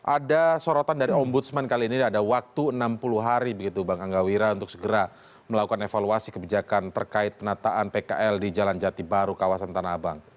ada sorotan dari ombudsman kali ini ada waktu enam puluh hari begitu bang angga wira untuk segera melakukan evaluasi kebijakan terkait penataan pkl di jalan jati baru kawasan tanah abang